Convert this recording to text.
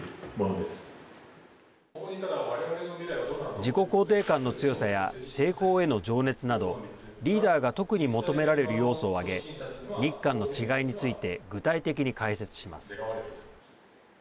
自己肯定感の強さや成功への情熱などリーダーが特に求められる要素を挙げ日韓の違いについて具体的に解説します。